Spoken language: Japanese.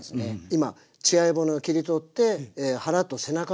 今血合い骨を切り取って腹と背中に分かれた状態です。